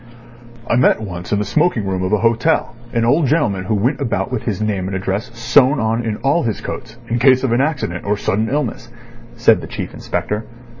"I met once in the smoking room of a hotel an old gentleman who went about with his name and address sewn on in all his coats in case of an accident or sudden illness," said the Chief Inspector.